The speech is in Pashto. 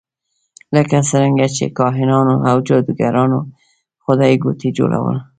لکه څرنګه چې کاهنانو او جادوګرانو خدایګوټي جوړول.